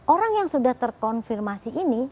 orang yang sudah terkonfirmasi ini